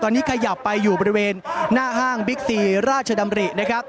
ตอนนี้ขยับไปอยู่บริเวณหน้าห้างบิ๊กซีราชดำรินะครับ